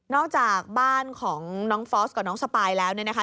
จากบ้านของน้องฟอสกับน้องสปายแล้วเนี่ยนะคะ